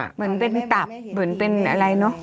เหมือนเป็นตับเหมือนเป็นอะไรเนอะ